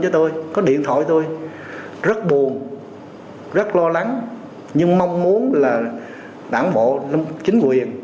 tôi không tin